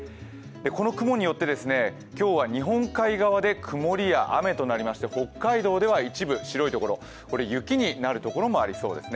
この雲によって今日は日本海側で曇りや雨となりまして北海道では一部、白いところ雪になるところもありそうです。